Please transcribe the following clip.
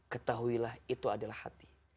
ketahuilah itu adalah hati